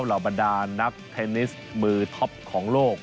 หลับประดานนักเทนนิสช์มือท็อปของโลก